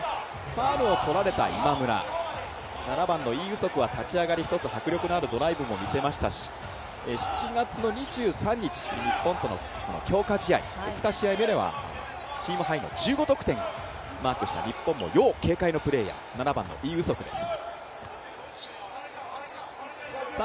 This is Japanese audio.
ファウルを取られた今村、７番のイ・ウソクは立ち上がり、迫力のあるドライブも見せましたし、７月２３日、日本との強化試合、２試合目ではチームハイの１５得点をマークした要警戒のプレーヤー、７番のイ・ウソクです。